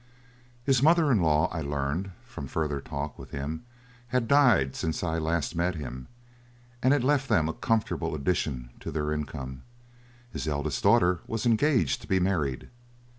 His mother in law, I learned from further talk with him, had died since I had last met him, and had left them a comfortable addition to their income. His eldest daughter was engaged to be married.